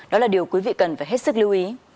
đó là điều quý vị cần phải hết sức lưu ý